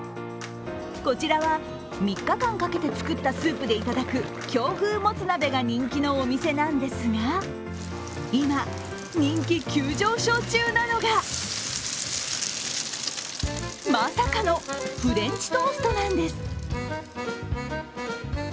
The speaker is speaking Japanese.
こちらは３日間かけて作ったスープでいただく京風もつ鍋が人気のお店なんですが今、人気急上昇中なのがまさかのフレンチトーストなんです。